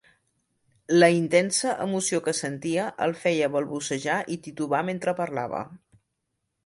La intensa emoció que sentia el feia balbucejar i titubar mentre parlava.